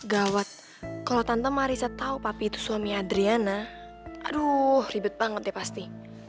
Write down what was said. gawat kalau tante marissa tau papi itu suami adriana aduh ribet banget deh pasti